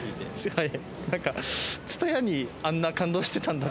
はい。